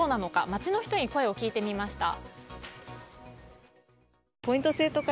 街の人に声を聞いてみました。